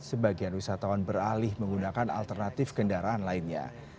sebagian wisatawan beralih menggunakan alternatif kendaraan lainnya